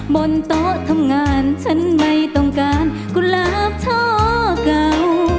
บนโต๊ะทำงานฉันไม่ต้องการกูรักช่อเก่า